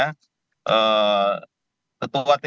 ketua tkn ketemu dengan mas hasto